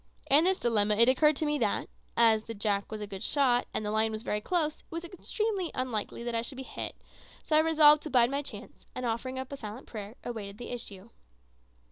In this dilemma it occurred to me that, as Jack was a good shot and the lion was very close, it was extremely unlikely that I should be hit; so I resolved to bide my chance, and offering up a silent prayer, awaited the issue.